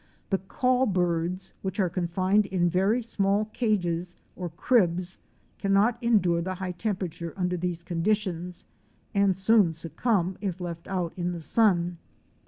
The call birds, which are confined in very small cages, or cribs, cannot endure the high temperature under these conditions, and soon succumb if left out in the sun.